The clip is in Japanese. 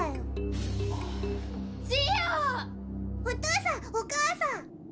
お父さんお母さん。